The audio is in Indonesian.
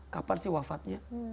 kapan sih wafatnya